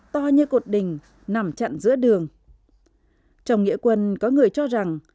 trông nghĩa quân có người cho rằng